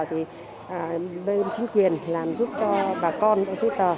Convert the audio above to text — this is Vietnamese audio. thì bên chính quyền làm giúp cho bà con những giấy tờ